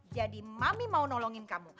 jadi mami mau nolongin kamu